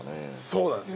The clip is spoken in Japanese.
そうなんです。